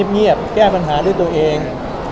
เงียบแก้ปัญหาด้วยตัวเอง